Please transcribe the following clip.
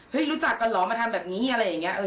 รู้จักกันเหรอมาทำแบบนี้อะไรอย่างนี้